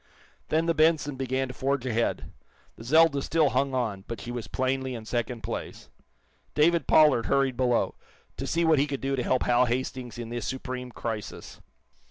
Then the "Benson" began to forge ahead. The "Zelda" still hung on, but she was plainly in second place. David Pollard hurried below, to see what he could do to help Hal Hastings in this supreme crisis.